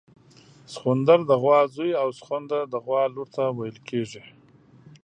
سخوندر د غوا زوی او سخونده د غوا لور ته ویل کیږي